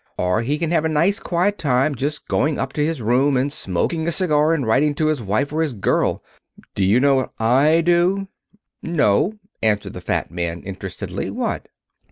Or he can have a nice, quiet time just going up to his room, and smoking a cigar and writing to his wife or his girl. D'you know what I do?" "No," answered the fat man, interestedly. "What?"